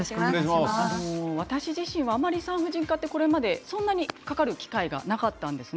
私自身あまり産婦人科ってこれまでかかる機会がなかったんですね。